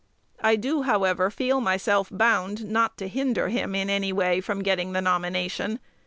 I do, however, feel myself bound not to hinder him in any way from getting the nomination.